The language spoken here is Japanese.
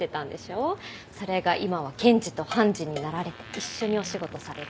それが今は検事と判事になられて一緒にお仕事されて。